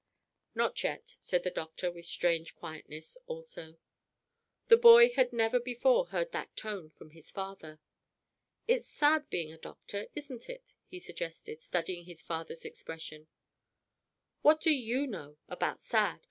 "Not yet," said the doctor, with strange quietness also. The boy had never before heard that tone from his father. "It's sad being a doctor, isn't it?" he suggested, studying his father's expression. "What do you know about sad?